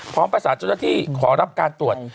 พร้อมภาษาจุดละที่ขอรับการตรวจ